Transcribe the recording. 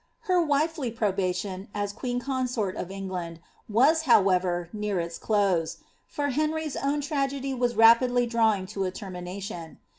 Her wifely probation, as queen consort of England, was, however, ar its closjc ; for Henr}''8 own tragedy was rapidly drawing to a termi ition.